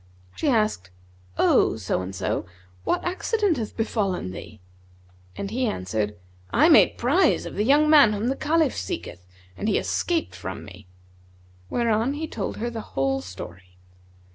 She asked, 'O so and so, what accident hath befallen thee?'; and he answered, 'I made prize of the young man whom the Caliph seeketh and he escaped from me;' whereupon he told her the whole story.